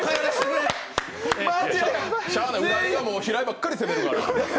しょうがない、浦井が平井ばっかり攻めるから。